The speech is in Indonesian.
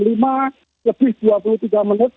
lima lebih dua puluh tiga menit